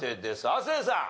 亜生さん。